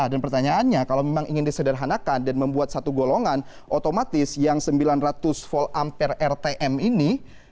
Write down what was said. dan pertanyaannya kalau memang ingin disederhanakan dan membuat satu golongan otomatis yang sembilan ratus volt ampere rtm ini